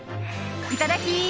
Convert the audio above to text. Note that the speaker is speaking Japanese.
いただき！